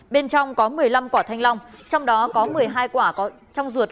bên trong có một mươi năm quả thanh long trong đó có một mươi hai quả trong ruột